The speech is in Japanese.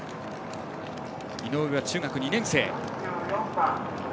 井上は中学２年生。